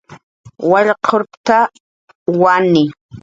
Wallqurpta, wani